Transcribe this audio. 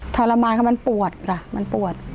ทรมานค่ะมันปวดค่ะมันปวด